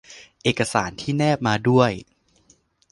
เอกสารที่แนบมาด้วย